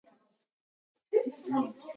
ალბომმა დიდი წარმატება იქონია.